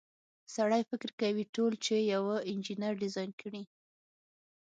سړی فکر کوي ټول چې یوه انجنیر ډیزاین کړي.